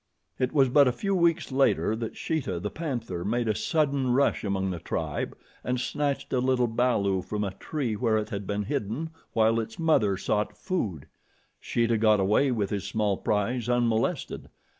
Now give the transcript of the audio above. It was but a few weeks later that Sheeta, the panther, made a sudden rush among the tribe and snatched a little balu from a tree where it had been hidden while its mother sought food. Sheeta got away with his small prize unmolested.